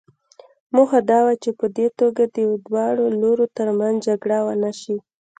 موخه دا وه چې په دې توګه د دواړو لورو ترمنځ جګړه ونه شي.